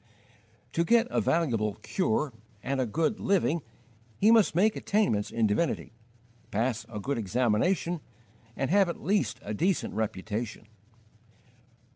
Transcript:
To get a valuable "cure" and a good "living" he must make attainments in divinity, pass a good examination, and have at least a decent reputation.